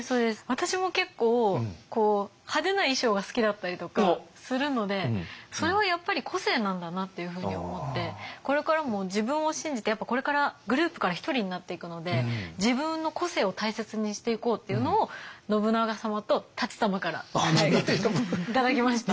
私も結構派手な衣装が好きだったりとかするのでそれはやっぱり個性なんだなっていうふうに思ってこれからも自分を信じてやっぱこれからグループから１人になっていくので自分の個性を大切にしていこうっていうのを信長様と舘様から頂きました。